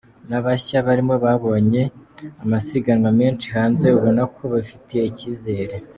N’abashya barimo babonye amasiganwa menshi hanze, ubona ko bifitiye icyizere.”